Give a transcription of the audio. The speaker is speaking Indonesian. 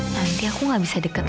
tapi karena satu satu